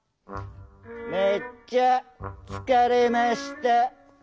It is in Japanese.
「めっちゃつかれました」。